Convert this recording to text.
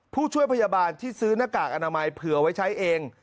ผู้ช่วยพยาบาลที่ซื้อหน้ากากอนามัยเผื่อไว้ใช้เอง